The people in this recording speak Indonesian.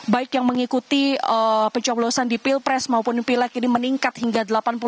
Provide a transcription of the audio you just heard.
baik yang mengikuti pencoblosan di pilpres maupun pileg ini meningkat hingga delapan puluh sembilan